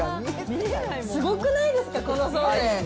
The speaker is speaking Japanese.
すごくないですか、このそうめん。